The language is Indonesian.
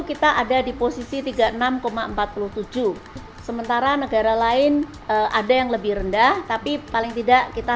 kita ada di posisi tiga puluh enam empat puluh tujuh sementara negara lain ada yang lebih rendah tapi paling tidak kita